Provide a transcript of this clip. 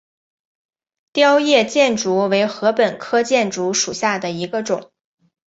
凋叶箭竹为禾本科箭竹属下的一个种。